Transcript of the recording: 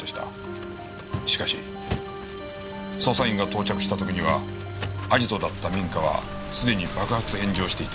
しかし捜査員が到着した時にはアジトだった民家はすでに爆発炎上していた。